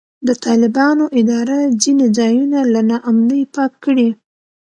د طالبانو اداره ځینې ځایونه له نا امنۍ پاک کړي.